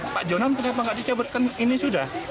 pak jonan kenapa nggak dicabutkan ini sudah